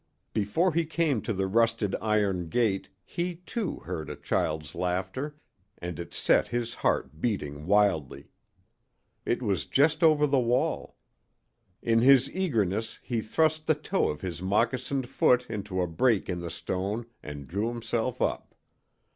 Before he came to the rusted iron gate he, too, heard a child's laughter, and it set his heart beating wildly. It was just over the wall. In his eagerness he thrust the toe of his moccasined foot into a break in the stone and drew himself up.